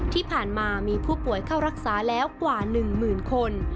ที่ผ่านมามีผู้ป่วยเข้ารักษาแล้วกว่า๑หมื่นคน